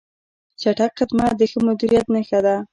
چټک خدمت د ښه مدیریت نښه ده.